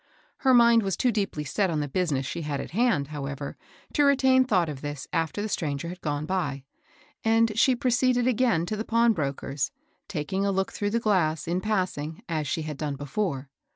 Her mind was too deeply set on the business she had on hand, however, to retain thought of this after the stran ger had gone by, and she proceeded again to the pawnbroker's, taking a look through the glass, in passing, as she had done before.